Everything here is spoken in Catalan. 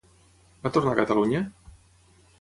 Va tornar a Catalunya?